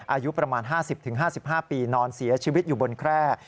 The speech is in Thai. อายุประมาณ๕๐๕๕ปีนอนเสียชีวิตอยู่บนแคร่